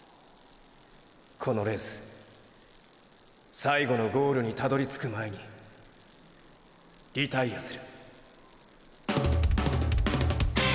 このレース最後のゴールにたどりつく前にリタイアする。